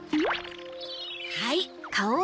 はい。